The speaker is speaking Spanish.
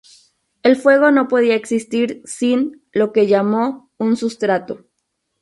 El fuego no podía existir sin, lo que llamó, un sustrato.